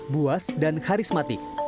buas dan karismatik